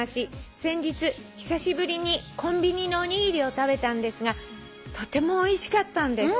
「先日久しぶりにコンビニのおにぎりを食べたんですがとてもおいしかったんです」